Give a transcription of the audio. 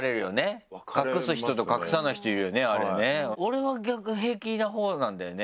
俺は逆に平気なほうなんだよね。